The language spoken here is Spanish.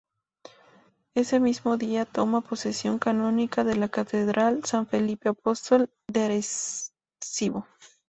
Ese mismo dia toma Posesión Canónica de la Catedral San Felipe Apostol, de Arecibo.